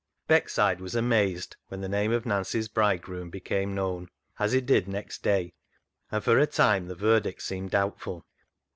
Beckside was amazed when the name of Nancy's bridegroom became known, as it did next day, and for a time the verdict seemed doubtful.